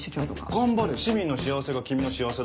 頑張れ市民の幸せが君の幸せだ。